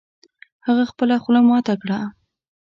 هغه خپله خوله ماته کړه